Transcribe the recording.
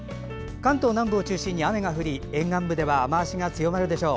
関東南部を中心に雨が降り沿岸部では雨足が強まるでしょう。